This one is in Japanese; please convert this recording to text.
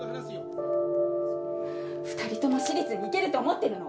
２人とも私立に行けると思ってるの？